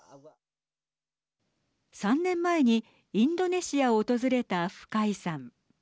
３年前にインドネシアを訪れた深井さん。